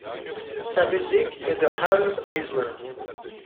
Sa musique est de Hanns Eisler.